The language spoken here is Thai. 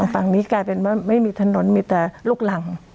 ฝั่งนี้กลายเป็นว่าไม่มีถนนมีแต่ลูกหลัง